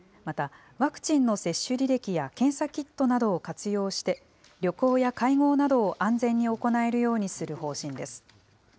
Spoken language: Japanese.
また、ワクチンの接種履歴や検査キットなどを活用して旅行や会合などを安全に行えるようにする方針です。